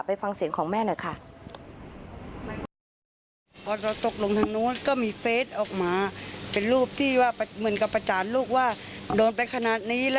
ฟังเสียงของแม่หน่อยค่ะ